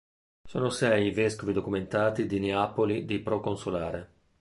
Sono sei i vescovi documentati di Neapoli di Proconsolare.